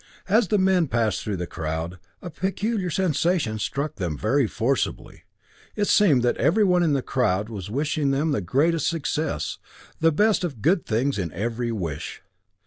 As the men passed through the crowd, a peculiar sensation struck them very forcibly. It seemed that everyone in the crowd was wishing them the greatest success the best of good things in every wish.